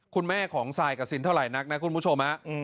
คุณแม่ของซายกับซินเท่าไหร่นักนะคุณผู้ชม